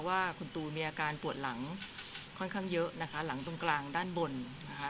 ว่าคุณตูมีอาการปวดหลังค่อนข้างเยอะนะคะหลังตรงกลางด้านบนนะคะ